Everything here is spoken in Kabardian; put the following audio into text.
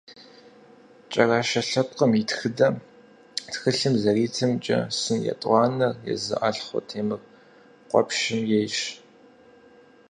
«КӀэрашэ лъэпкъым и тхыдэ» тхылъым зэритымкӀэ, сын етӀуанэр езы Алъхъо Темрыкъуэпщым ейщ.